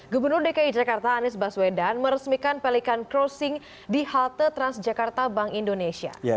gubernur dki jakarta anies baswedan meresmikan pelikan crossing di halte transjakarta bank indonesia